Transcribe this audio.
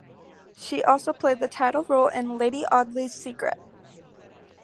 She also played the title role in "Lady Audley's Secret".